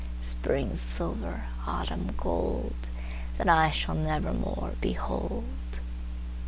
Spring silver, autumn gold, That I shall never more behold!